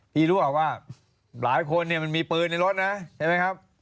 พี่รู้ป่ะว่าหลายคนเนี่ยมันมีปืนในรถนะใช่ไหมครับ